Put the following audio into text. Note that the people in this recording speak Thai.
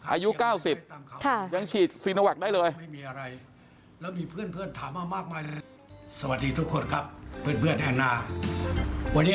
อายุ๙๐ยังฉีดซีนวัคได้เลย